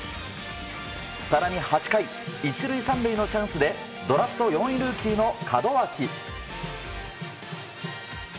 更に８回１塁３塁のチャンスでドラフト４位ルーキーの門脇。